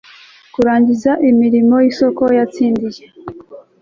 kurangiza imirimo y isoko yatsindiye